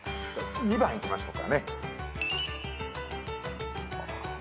２番いきましょうかね。